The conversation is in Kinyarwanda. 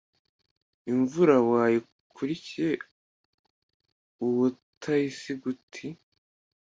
imvura wayikurikiye ubutayisiga uti: